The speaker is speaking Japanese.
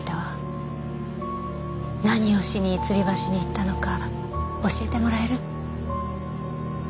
何をしにつり橋に行ったのか教えてもらえる？